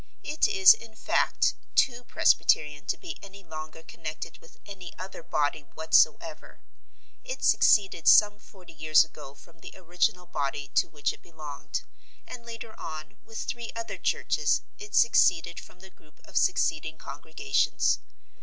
It is, in fact, too presbyterian to be any longer connected with any other body whatsoever. It seceded some forty years ago from the original body to which it belonged, and later on, with three other churches, it seceded from the group of seceding congregations.